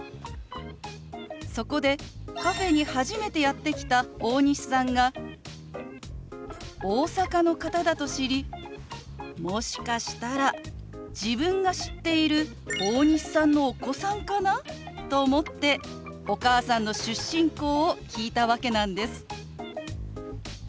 そこでカフェに初めてやって来た大西さんが大阪の方だと知りもしかしたら自分が知っている大西さんのお子さんかなと思ってお母さんの出身校を聞いたわけなんです。